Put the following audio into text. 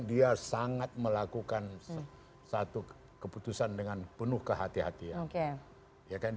dia sangat melakukan satu keputusan dengan penuh kehati hatian